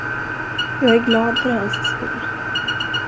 Jag är glad för hans skull.